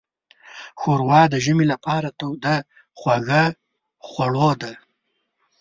ښوروا د ژمي لپاره توده خوږه خوړو ده.